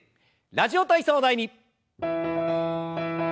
「ラジオ体操第２」。